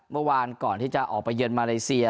เมื่อวานก่อนที่จะออกไปเยือนมาเลเซีย